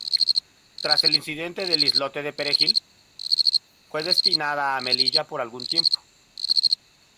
Tras el incidente del islote de Perejil, fue destinada a Melilla por algún tiempo.